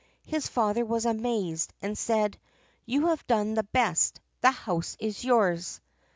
His father was amazed, and said: "You have done the best; the house is yours."